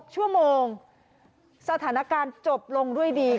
๖ชั่วโมงสถานการณ์จบลงด้วยดี